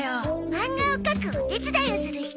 漫画を描くお手伝いをする人。